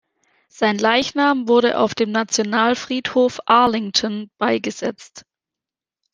Sein Leichnam wurde auf dem Nationalfriedhof Arlington beigesetzt.